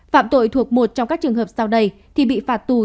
phạm tội thuộc một trong các trường hợp sau đây thì bị phạt tù